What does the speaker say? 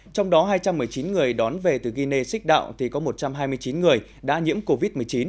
trong đó hai trăm một mươi chín người đón về từ guinea xích đạo thì có một trăm hai mươi chín người đã nhiễm covid một mươi chín